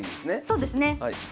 そうですね。